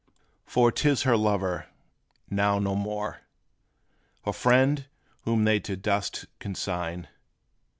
For 't is her lover, now no more Her friend, whom they to dust consign!